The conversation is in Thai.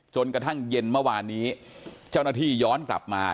จนกระทั่งเย็นเมื่อวานนี้เจ้าหน้าที่ย้อนกลับมา